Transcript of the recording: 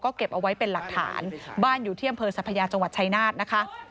เก็บเอาไว้เป็นหลักฐานบ้านอยู่ที่อำเภอสัพยาจังหวัดชายนาฏนะคะ